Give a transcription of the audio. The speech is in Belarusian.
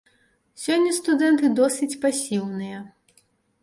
Сёння студэнты досыць пасіўныя.